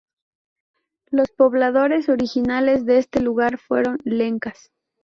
Los pobladores originales de este lugar fueron Lencas.